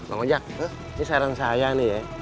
ini saran saya nih ya